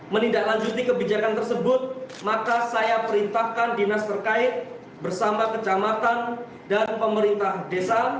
menindaklanjuti kebijakan tersebut maka saya perintahkan dinas terkait bersama kecamatan dan pemerintah desa